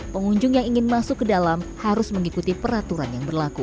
pengunjung yang ingin masuk ke dalam harus mengikuti peraturan yang berlaku